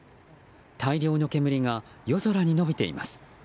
大量の煙が夜空に延びています。